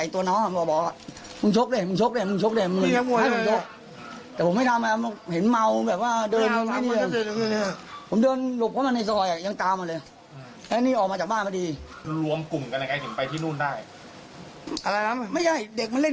มันตามไปถามหนีมาตามว่ามันเป็นไงกัน